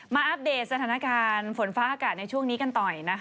อัปเดตสถานการณ์ฝนฟ้าอากาศในช่วงนี้กันหน่อย